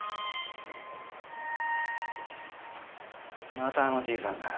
またあのじいさんかよ。